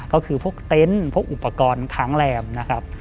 ก็คือพวกเต็นต์พวกอุปกรณ์ค้างแรมนะครับ